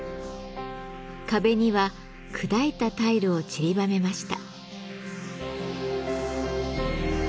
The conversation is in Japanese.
壁には砕いたタイルをちりばめました。